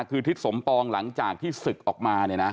คือทิศสมปองหลังจากที่ศึกออกมาเนี่ยนะ